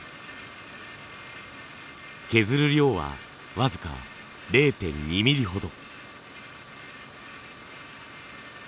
削る量は僅か０．２ミリほど。